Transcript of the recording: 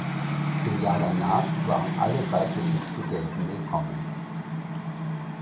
Im Jahr danach waren alle weiblichen Studenten willkommen.